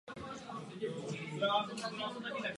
Odkrytí většiny povrchových dolů spadá až do tohoto období.